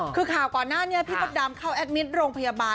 คือข่าวก่อนหน้านี้พี่มดดำเข้าแอดมิตรโรงพยาบาล